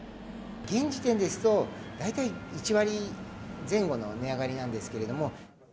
現時点ですと、大体１割前後の値上がりなんですけれども。